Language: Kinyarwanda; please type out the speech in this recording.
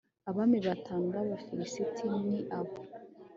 abami batanu b'abafilisiti ni aba